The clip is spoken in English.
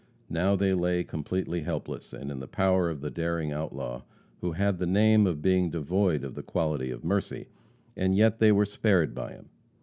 Now they lay completely helpless, and in the power of the daring outlaw, who had the name of being devoid of the quality of mercy. And yet they were spared by him.